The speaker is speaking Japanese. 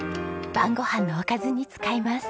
晩ごはんのおかずに使います。